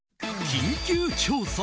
緊急調査！